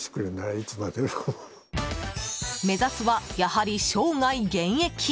目指すは、やはり生涯現役！